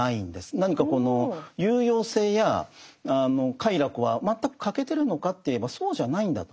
何かこの有用性や快楽は全く欠けてるのかといえばそうじゃないんだと。